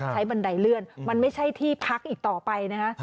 บันไดเลื่อนมันไม่ใช่ที่พักอีกต่อไปนะฮะ